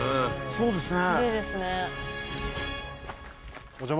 そうですね